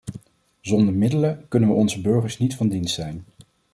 Zonder middelen kunnen we onze burgers niet van dienst zijn.